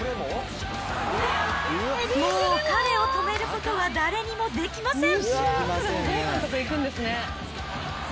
もう、彼を止めることは誰にもできません。